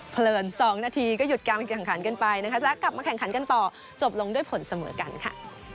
เลิน๒นาทีก็หยุดการแข่งขันกันไปนะคะจะกลับมาแข่งขันกันต่อจบลงด้วยผลเสมอกันค่ะ